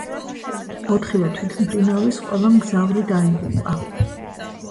ოთხივე თვითმფრინავის ყველა მგზავრი დაიღუპა.